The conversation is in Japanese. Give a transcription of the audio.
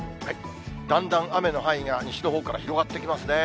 だんだん雨の範囲が西のほうから広がってきますね。